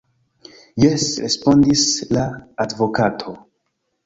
Jes, respondis la advokato.